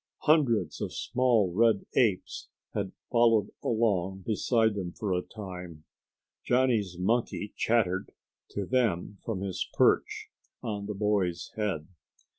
Hundreds of the small red apes had followed along beside them for some time. Johnny's monkey chattered to them from his perch on the boy's head.